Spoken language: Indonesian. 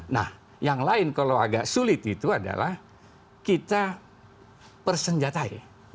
nah yang lain kalau agak sulit itu adalah kita persenjatai